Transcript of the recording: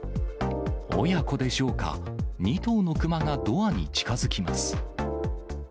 親子でしょうか、２頭の熊がドアに近づきます。